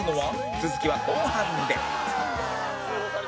続きは後半で